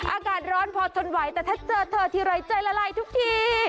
อากาศร้อนพอทนไหวแต่ถ้าเจอเธอทีไรใจละลายทุกที